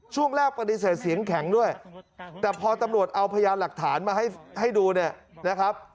ช่วงแรกปฏิเสธเสียงแข็งด้วยแต่พอตำรวจเอาพยานหลักฐานมาให้ดูเนี่ยนะครับ